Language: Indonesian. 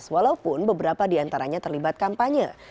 walaupun beberapa diantaranya terlibat kampanye